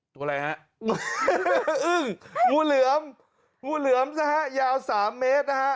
ตัวอะไรฮะงูอึ้งงูเหลือมงูเหลือมนะฮะยาว๓เมตรนะฮะ